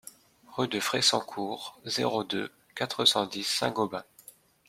Route de Fressancourt, zéro deux, quatre cent dix Saint-Gobain